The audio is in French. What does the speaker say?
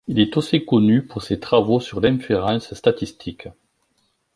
Il est aussi connu pour ses travaux sur l'inférence statistique.